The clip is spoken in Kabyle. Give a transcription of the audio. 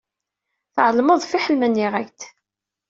Tɛelmeḍ, fiḥel ma nniɣ-ak-d.